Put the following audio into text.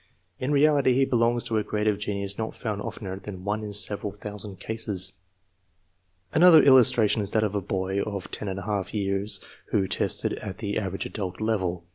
In reality he belongs to a grade of genius not found oftener than once in several thousand cases. Another illustration is that of a boy of 10J^ years who tested at the "average adult " level.